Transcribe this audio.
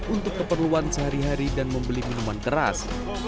untuk keperluan sehari hari dan membeli minuman keras